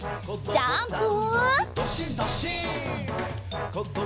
ジャンプ！